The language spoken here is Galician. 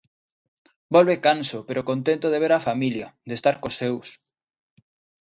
Volve canso, pero contento de ver a familia, de estar cos seus.